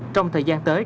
trong thời gian tới